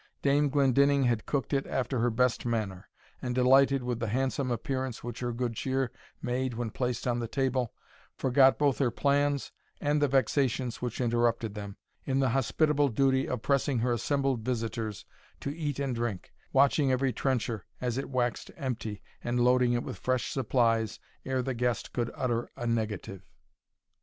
Dame Glendinning had cooked it after her best manner; and, delighted with the handsome appearance which her good cheer made when placed on the table, forgot both her plans and the vexations which interrupted them, in the hospitable duty of pressing her assembled visiters to eat and drink, watching every trencher as it waxed empty, and loading it with fresh supplies ere the guest could utter a negative.